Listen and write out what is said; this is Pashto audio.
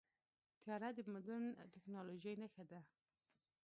طیاره د مدرن ټیکنالوژۍ نښه ده.